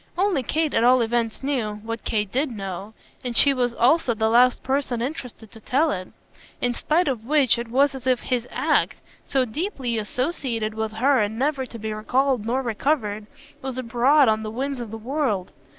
Only Kate at all events knew what Kate did know, and she was also the last person interested to tell it; in spite of which it was as if his ACT, so deeply associated with her and never to be recalled nor recovered, was abroad on the winds of the world.